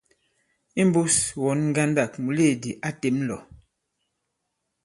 Imbūs wɔ̌n ŋgandâk, mùleèdì a těm lɔ̀.